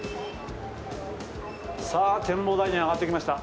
さあ展望台に上がってきました。